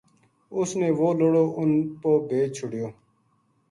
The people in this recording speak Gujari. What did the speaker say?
اُس نے وہ لڑو اُنھ پو بیچ چھوڈیو